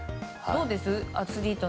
どうですか？